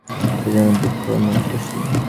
সেজন্য দুঃখও নেই শশী।